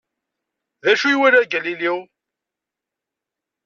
D acu ay iwala Galileo?